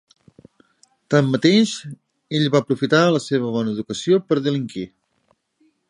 Tanmateix, ell va aprofitar la seva bona educació per delinquir.